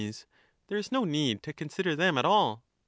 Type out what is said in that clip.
There is no need to consider them at all.